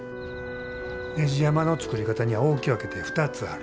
ねじ山の作り方には大き分けて２つある。